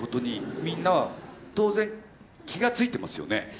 みんなは当然気が付いてますよね。